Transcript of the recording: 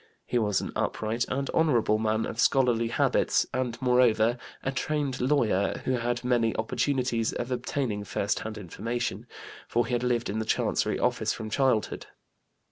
He was an upright and honorable man of scholarly habits, and, moreover, a trained lawyer, who had many opportunities of obtaining first hand information, for he had lived in the Chancery office from childhood.